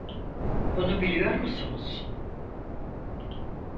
Bunu biliyor musunuz?